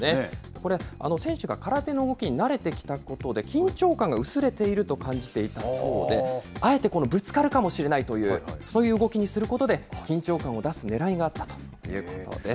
これ、選手が空手の動きに慣れてきたことで、緊張感が薄れていると感じていたそうで、あえてこのぶつかるかもしれないという、そういう動きにすることで、緊張感を出すねらいがあったということです。